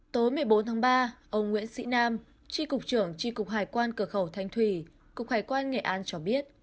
tối một mươi bốn tháng ba ông nguyễn sĩ nam tri cục trưởng tri cục hải quan cửa khẩu thanh thủy cục hải quan nghệ an cho biết